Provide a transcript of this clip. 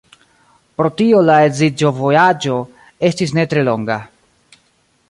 Pro tio la edziĝovojaĝo estis ne tre longa.